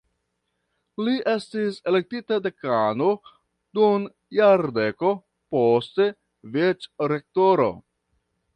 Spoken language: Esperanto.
Li estis elektita dekano dum jardeko, poste vicrektoro.